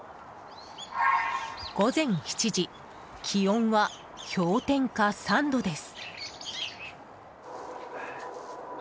午前７時、気温は氷点下３度です。